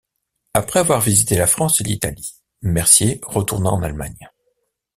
Après avoir visité la France et l’Italie, Mercier retourna en Allemagne.